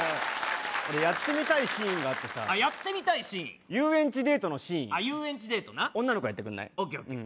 俺やってみたいシーンがあってさあっやってみたいシーン遊園地デートのシーンあっ遊園地デートな女の子やってくんない？